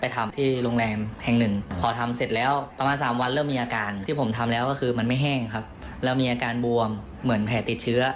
เริ่มมีอาการที่ผมทำแล้วก็คือมันไม่แห้งครับแล้วมีอาการบวมเหมือนแผลติดเชื้อ